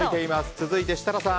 続いて設楽さん。